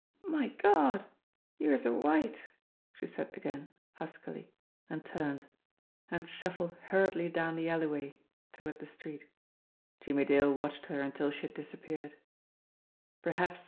"My Gawd, youse're white," she said again, huskily and turned, and shuffled hurriedly down the alleyway toward the street. Jimmie Dale watched her until she had disappeared. "Perhaps